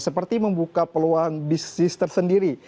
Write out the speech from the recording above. seperti membuka peluang bisnis tersendiri